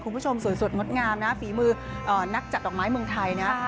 คุณผู้ชมสวยสดงดงามนะฝีมือนักจัดดอกไม้เมืองไทยนะ